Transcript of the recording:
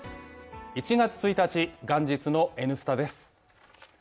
１月１日、元日の「Ｎスタ」です。